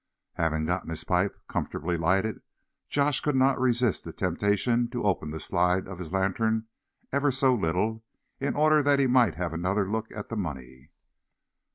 Having gotten his pipe comfortably lighted, Josh could not resist the temptation to open the slide of his lantern ever so little; in order that he might have another look at the money.